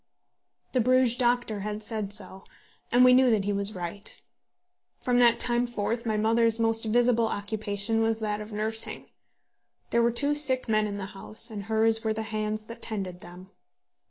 The Bruges doctor had said so, and we knew that he was right. From that time forth my mother's most visible occupation was that of nursing. There were two sick men in the house, and hers were the hands that tended them.